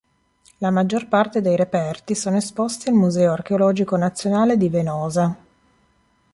La maggior parte dei reperti sono esposti al Museo archeologico nazionale di Venosa.